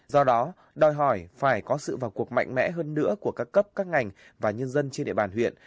do đó đòi hỏi phải có sự vào cuộc mạnh mẽ hơn nữa của các cấp các ngành và nhân dân trên địa bàn huyện